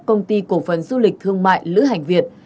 công ty cổ phần du lịch thương mại lữ hành việt